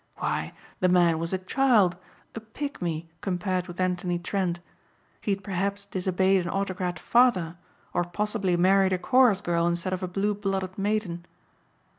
Why the man was a child, a pigmy compared with Anthony Trent. He had perhaps disobeyed an autocrat father or possibly married a chorus girl instead of a blue blooded maiden.